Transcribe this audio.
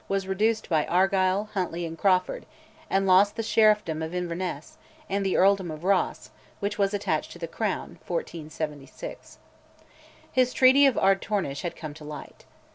was reduced by Argyll, Huntly, and Crawford, and lost the sheriffdom of Inverness, and the earldom of Ross, which was attached to the Crown (1476). His treaty of Ardtornish had come to light.